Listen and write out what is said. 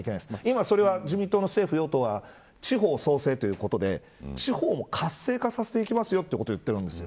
今それは、自民党の政府与党は地方創生ということで地方を活性化させていきますと言ってるんです。